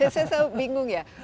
saya selalu bingung ya